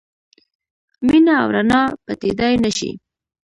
مینه او رڼا پټېدای نه شي.